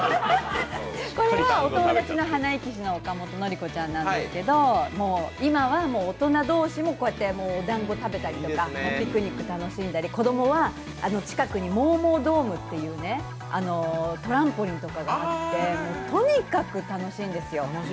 これはお友達なんですけど、今は大人同士もおだんごを食べたりとかピクニックを楽しんだり、子供は近くにモーモードームっていうトランポリンとかがあって、とにかく楽しいんですよ。